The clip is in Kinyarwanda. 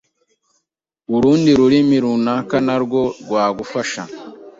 urundi rurimi runaka narwo rwagufasha